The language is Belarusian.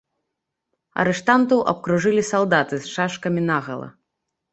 Арыштантаў абкружылі салдаты з шашкамі нагала.